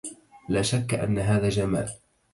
لا شك أن هذا جمال.